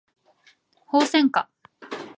ホウセンカ